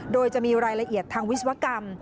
โดยจะมีรายละเอียดทางวิศวกรรม